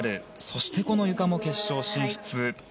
そして、ゆかも決勝進出。